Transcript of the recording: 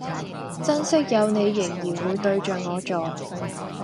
珍惜有你仍然會對著我坐